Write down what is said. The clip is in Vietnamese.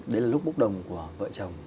đấy là lúc búc đồng của vợ chồng